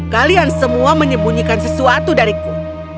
kalian semua menyembunyikan sesuatu dariku